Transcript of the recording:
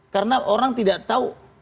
karena orang tidak tahu